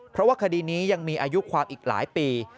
เพราะว่าคดีนี้ยังมีอายุความอีกหลายปี